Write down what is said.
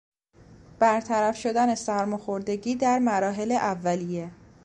برطرف شدن سرماخوردگی در مراحل اولیه